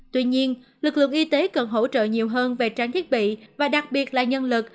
tuy nhiên lực lượng y tế cần hỗ trợ nhiều hơn về trang thiết bị và đặc biệt là nhân lực